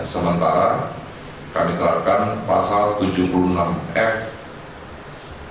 sementara kami terapkan pasal sementara